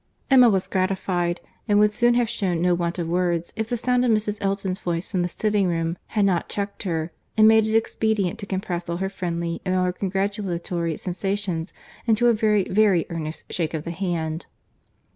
Emma was gratified, and would soon have shewn no want of words, if the sound of Mrs. Elton's voice from the sitting room had not checked her, and made it expedient to compress all her friendly and all her congratulatory sensations into a very, very earnest shake of the hand.